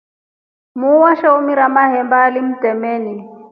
Muu weshomra mahemba alimtemeni.